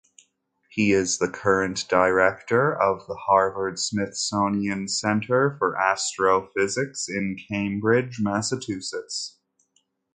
He is the current director of the Harvard-Smithsonian Center for Astrophysics in Cambridge, Massachusetts.